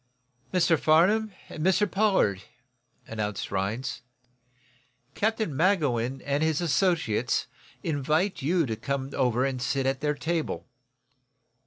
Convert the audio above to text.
"Mr. Farnum, and Mr Pollard," announced Rhinds, "Captain Magowan and his associates invite you to come over and sit at their table.